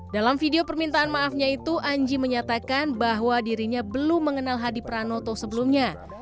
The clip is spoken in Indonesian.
dalam video permintaan maafnya itu anji menyatakan bahwa dirinya belum mengenal hadi pranoto sebelumnya